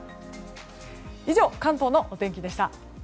以上、関東のお天気でした。